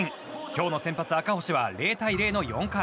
今日の先発、赤星は０対０の４回。